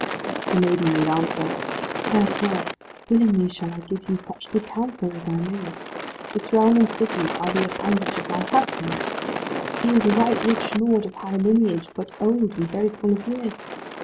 The lady made answer, "Fair sir, willingly shall I give you such good counsel as I may. This realm and city are the appanage of my husband. He is a right rich lord, of high lineage, but old and very full of years.